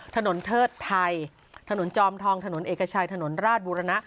ถนนเทิดไทยถนนจอมทองถนนเอกชัยถนนราชบุรณะ